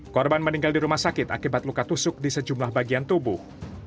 korban meninggal di rumah sakit akibat luka tusuk di sejumlah bagian tubuh